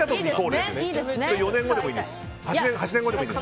４年後でもいいんです。